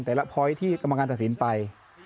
แต่ละพอยท์ที่กำลังงานตัดสินไป